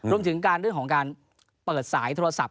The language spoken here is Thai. รวมถึงการเรื่องของการเปิดสายโทรศัพ